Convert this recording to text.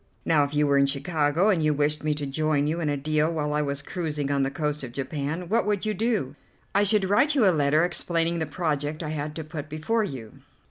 Now, if you were in Chicago, and you wished me to join you in a deal while I was cruising on the coast of Japan, what would you do?" "I should write you a letter explaining the project I had to put before you."